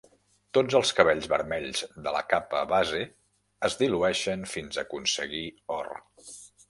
Tots els cabells vermells de la capa base es dilueixen fins aconseguir or.